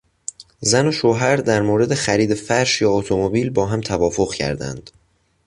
زن و شوهر در مورد خرید فرش یا اتومبیل با هم توافق کردند.